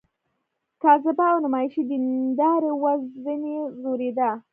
کاذبه او نمایشي دینداري وه ځنې ځورېده.